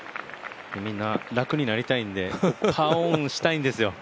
みんな、楽になりたいんでパーオンしたいんですよ。